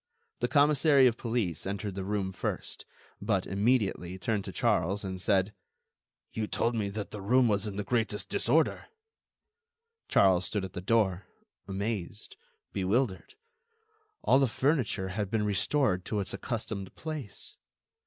The commissary of police entered the room first, but, immediately, turned to Charles and said: "You told me that the room was in the greatest disorder." Charles stood at the door, amazed, bewildered; all the furniture had been restored to its accustomed place.